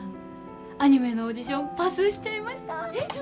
アニメのオーディションパスしちゃいました！